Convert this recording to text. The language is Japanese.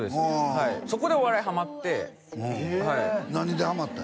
はいそこでお笑いハマってへえ何でハマったん？